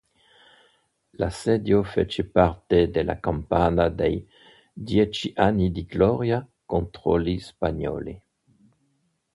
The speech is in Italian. L'assedio fece parte della campagna dei "Dieci anni di gloria" contro gli spagnoli.